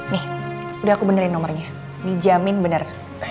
nih udah aku benerin nomornya dijamin bener